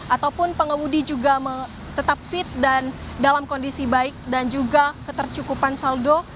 ataupun pengemudi juga tetap fit dan dalam kondisi baik dan juga ketercukupan saldo